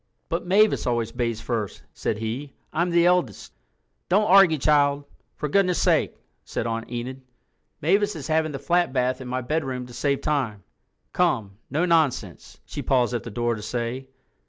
"But Mavis always bathes first," said he. "I'm the eldest." "Don't argue, child, for goodness' sake," said Aunt Enid. "Mavis is having the flat bath in my bedroom to save time. Come—no nonsense," she paused at the door to say.